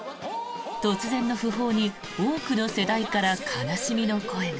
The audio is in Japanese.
突然の訃報に多くの世代から悲しみの声が。